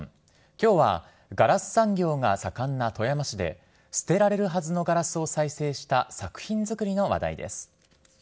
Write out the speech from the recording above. きょうはガラス産業が盛んな富山市で、捨てられるはずのガラスを再生した作品作りの話題です。